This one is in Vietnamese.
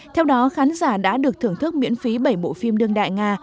theo đó khán giả đã được thưởng thức miễn phí bảy bộ phim đương đại nga